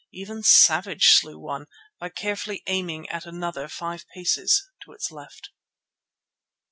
Even Savage slew one—by carefully aiming at another five paces to its left.